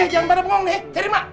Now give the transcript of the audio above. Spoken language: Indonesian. jangan pada ngomong nih cari emak